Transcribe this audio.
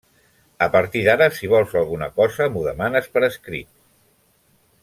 A partir d'ara, si vols alguna cosa, m'ho demanes per escrit.